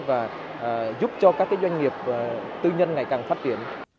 và giúp cho các doanh nghiệp tư nhân ngày càng phát triển